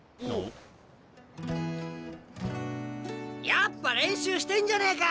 やっぱ練習してんじゃねえか！